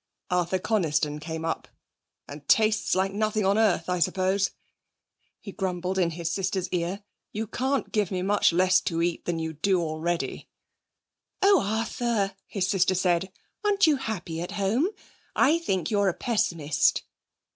Arthur Coniston came up. 'And tastes like nothing on earth, I suppose?' he grumbled in his sister's ear. 'You can't give me much less to eat than you do already.' 'Oh, Arthur!' his sister said. 'Aren't you happy at home? I think you're a pessimist.'